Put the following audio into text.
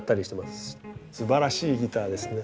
すばらしいギターですね。